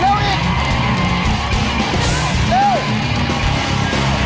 เร็วอีกเร็วอีก